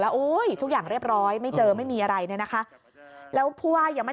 แล้วทุกอย่างเรียบร้อยไม่เจอไม่มีอะไรนะคะแล้วพ่อยังไม่